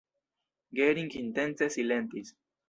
Gering intence silentis.